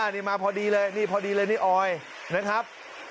นี่มาพอดีเลยนี่พอดีเลยนี่ออยนะครับ